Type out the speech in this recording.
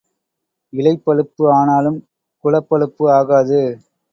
இலைப் பழுப்பு ஆனாலும் குலப்பழுப்பு ஆகாது.